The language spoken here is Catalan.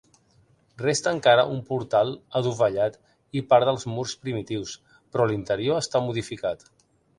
Resta encara un portal adovellat i part dels murs primitius però l'interior està modificat.